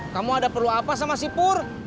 kamu ada perlu apa sama sipur